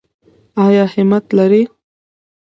ایا همت لرئ؟